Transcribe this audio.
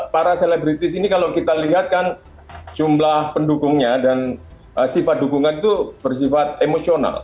para selebritis ini kalau kita lihat kan jumlah pendukungnya dan sifat dukungan itu bersifat emosional